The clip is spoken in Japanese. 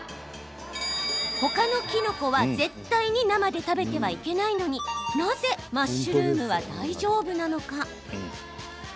他のキノコは絶対に生で食べてはいけないのになぜマッシュルームは大丈夫なのか。